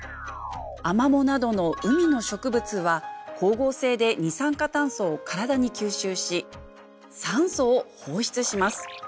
アマモなどの海の植物は光合成で二酸化炭素を体に吸収し酸素を放出します。